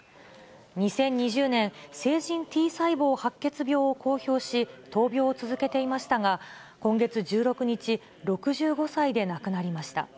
２０２０年、成人Ｔ細胞白血病を公表し、闘病を続けていましたが、今月１６日、６５歳で亡くなりました。